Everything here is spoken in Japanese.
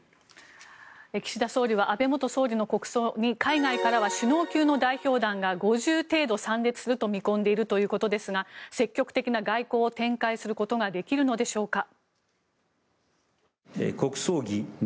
岸田総理は安倍元総理の国葬に海外からは首脳級の代表団が５０程度参列すると見込んでいるということですが積極的な外交を展開することができるのでしょうか。